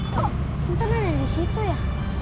kok temen temen disitu ya